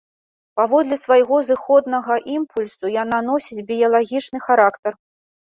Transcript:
Паводле свайго зыходнага імпульсу яна носіць біялагічны характар.